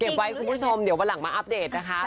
ไว้คุณผู้ชมเดี๋ยววันหลังมาอัปเดตนะคะ